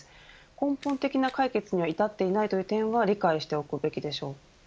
根本的な解決には至っていないという点は理解しておくべきでしょう。